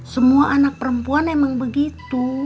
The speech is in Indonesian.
semua anak perempuan emang begitu